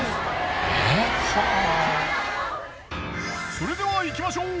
それではいきましょう。